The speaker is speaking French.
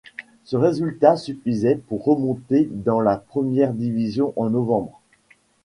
Ce résultat suffisait pour remonter dans la première division en novembre.